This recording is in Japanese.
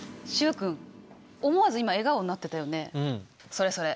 それそれ！